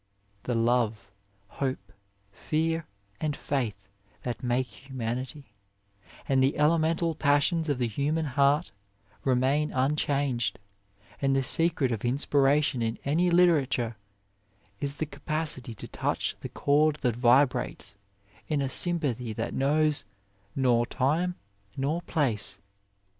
The love, hope, fear and faith that make humanity, and the elemental passions of the human heart, remain unchanged, and the secret of inspiration in any literature is the capacity to 59 A WAY touch the cord that vibrates in a sympathy that knows nor time nor place.